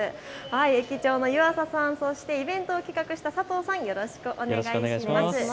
駅長の湯浅さん、そしてイベントを企画した佐藤さん、よろしくお願いします。